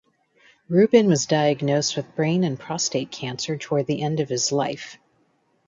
Rubin was diagnosed with brain and prostate cancer toward the end of his life.